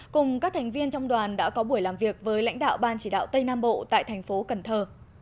cùng các thành viên trong đoàn đã có buổi làm việc với lãnh đạo ban chỉ đạo tây nam bộ tại thành phố cần thơ